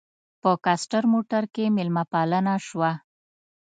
په کاسټر موټر کې مېلمه پالنه شوه.